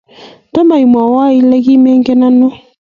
Tomo imwoiwo Ile kimenye ano